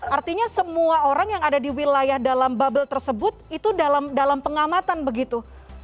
artinya semua orang yang ada di wilayah dalam bubble tersebut itu dalam pengamatan begitu